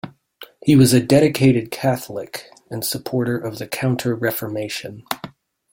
He was a dedicated Catholic and supporter of the Counter-Reformation.